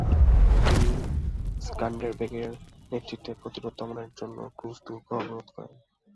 তিনি স্কান্ডেরবেগের নেতৃত্বাধীন প্রতিরোধ দমনের জন্য ক্রুজ দুর্গ অবরোধ করেন।